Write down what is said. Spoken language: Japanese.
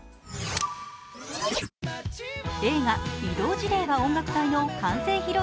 映画「異動辞令は音楽隊！」の完成披露